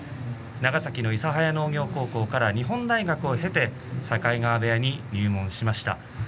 長崎の諫早農業高校から日本大学を経て境川部屋に入門しました。